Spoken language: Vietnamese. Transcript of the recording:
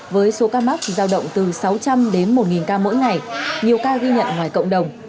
với số ca mắc chỉ giao động từ sáu trăm linh đến một ca mỗi ngày nhiều ca ghi nhận ngoài cộng đồng